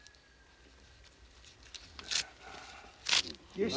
よし。